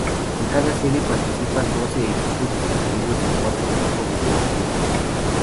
En cada serie participan doce equipos distribuidos en cuatro grupos de tres equipos.